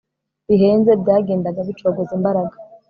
bihenze byagendaga bicogoza imbaraga